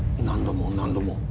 何度も何度も